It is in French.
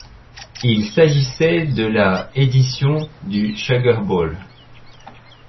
Il s'agissait de la édition du Sugar Bowl.